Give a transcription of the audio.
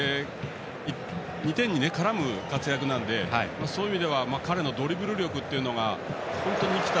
２点に絡む活躍なのでそういう意味では彼のドリブル力が生きた